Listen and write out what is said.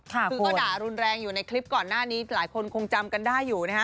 คือก็ด่ารุนแรงอยู่ในคลิปก่อนหน้านี้หลายคนคงจำกันได้อยู่นะฮะ